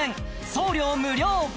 送料無料